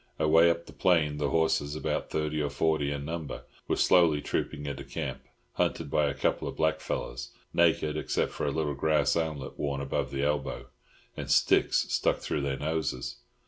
Away up the plain the horses, about thirty or forty in number, were slowly trooping into camp, hunted by a couple of blackfellows, naked except for little grass armlets worn above the elbow, and sticks stuck through their noses.